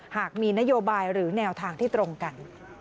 หากมีนโยบายหรือแนวทางที่ตรงกัน